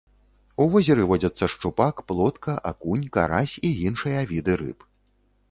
У возеры водзяцца шчупак, плотка, акунь, карась і іншыя віды рыб.